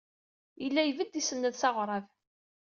Yella yebded, isenned s aɣrab.